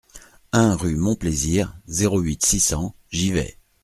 un rue Mon Plaisir, zéro huit, six cents, Givet